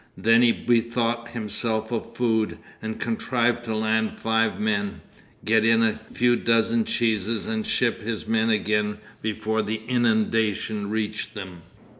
Then he bethought himself of food, and contrived to land five men, get in a few dozen cheeses, and ship his men again before the inundation reached them.